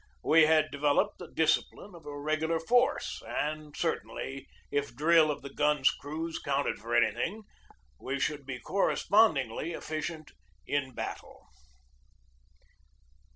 We had devel oped the discipline of a regular force, and certainly, if drill of the guns' crews counted for anything, we should be correspondingly efficient in battle.